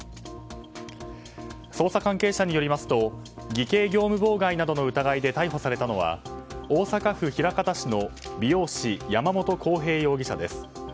捜査関係者によりますと偽計業務妨害などの疑いで逮捕されたのは大阪府枚方市の美容師山本紘平容疑者です。